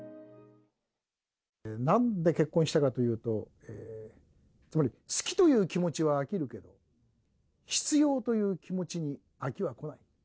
なんで結婚したかというと、つまり、好きという気持ちは飽きるけど、必要という気持ちに飽きはこない。